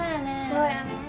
そうやね。